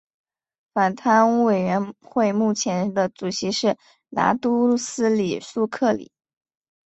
反贪污委员会目前的主席是拿督斯里苏克里。